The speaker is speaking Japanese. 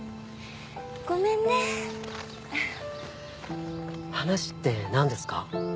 ごめんね話って何ですか？